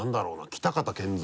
北方謙三